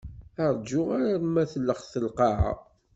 Rǧu arma tellext lqaɛa.